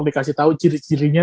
dikasih tau ciri cirinya